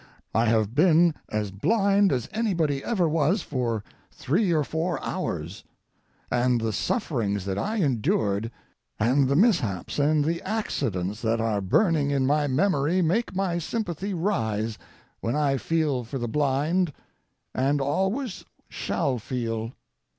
I have been as blind as anybody ever was for three or four hours, and the sufferings that I endured and the mishaps and the accidents that are burning in my memory make my sympathy rise when I feel for the blind and always shall feel.